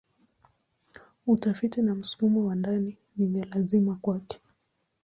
Utafiti na msukumo wa ndani ni vya lazima kwake.